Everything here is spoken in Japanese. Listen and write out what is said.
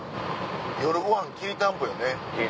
夜ご飯きりたんぽよね。